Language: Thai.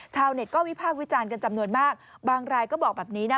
เน็ตก็วิพากษ์วิจารณ์กันจำนวนมากบางรายก็บอกแบบนี้นะ